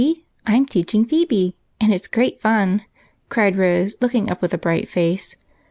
I 'm teaching Phebe, and it 's great fun !" cried Rose, looking up with a bright face.